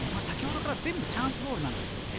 先ほどから全部チャンスボールなんですよ。